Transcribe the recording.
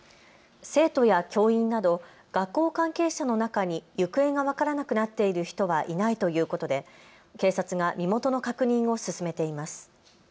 生徒や教員など学校関係者の中に行方が分からなくなっている人はいないということで警察が身元の確認を進めています。